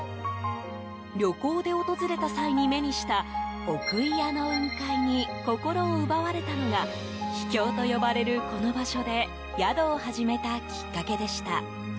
旅行で訪れた際に目にした奥祖谷の雲海に心を奪われたのが秘境と呼ばれるこの場所で宿を始めたきっかけでした。